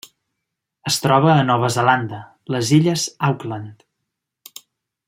Es troba a Nova Zelanda: les illes Auckland.